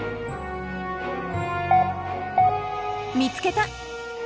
見つけた！